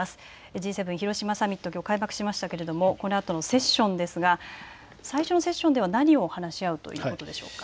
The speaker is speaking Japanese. Ｇ７広島サミットきょう開幕しましたけれどもこのあとのセッションですが、最初のセッションでは何を話し合うということでしょうか。